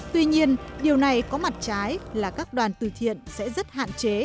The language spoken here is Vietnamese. tuy nhiên điều này có mặt trái là các đoàn từ thiện sẽ rất hạn chế